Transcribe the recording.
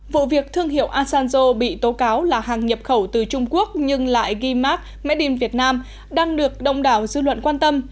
vụ việc thương hiệu asanzo bị tố cáo là hàng nhập khẩu từ trung quốc nhưng lại ghi mark medin việt nam đang được đông đảo dư luận quan tâm